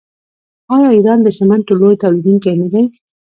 آیا ایران د سمنټو لوی تولیدونکی نه دی؟